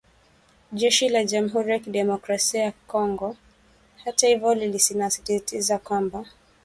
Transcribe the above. Jeshi la jamuhuri ya kidemokrasia ya Kongo hata hivyo linasisitiza kwamba